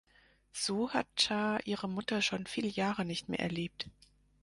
So hat Char ihre Mutter schon viele Jahre nicht mehr erlebt.